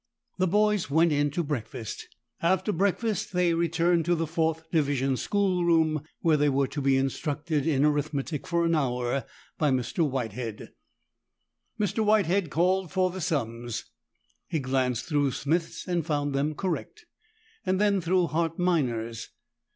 The boys went in to breakfast. After breakfast they returned to the fourth division schoolroom, where they were to be instructed in arithmetic for an hour by Mr. Whitehead. Mr. Whitehead called for the sums. He glanced through Smith's and found them correct, and then through Hart Minor's.